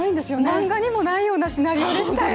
漫画にもないようなシナリオでしたよ